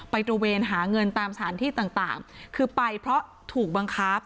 ตระเวนหาเงินตามสถานที่ต่างคือไปเพราะถูกบังคับ